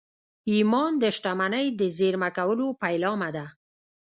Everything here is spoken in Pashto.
ایمان د شتمنۍ د زېرمه کولو پیلامه ده